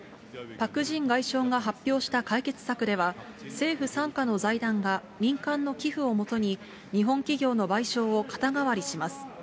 パク・ジン外相が発表した解決策では、政府傘下の財団が、民間の寄付をもとに日本企業の賠償を肩代わりします。